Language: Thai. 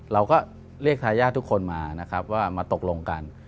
เราก็เรียกทายาททุกคนมานะครับว่ามาตกลงกัน